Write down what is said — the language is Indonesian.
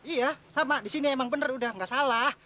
iya sama disini emang bener udah enggak salah